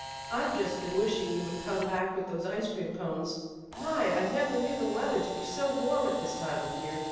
I've just been wishing you would hurry back with those ice cream cones. My! I never knew the weather to be so warm at this time of the year.